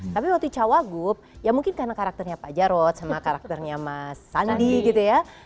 tapi waktu cawagup ya mungkin karena karakternya pak jarod sama karakternya mas sandi gitu ya